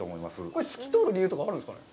これ、透き通る理由とかあるんですかね？